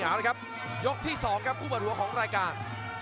เอาเลยครับยกที่๒ครับคู่เปิดหัวของรายการ